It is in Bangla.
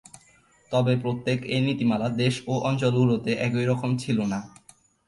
তবে প্রত্যেক এই নীতিমালা দেশ ও অঞ্চলগুলোতে একই রকম ছিল না।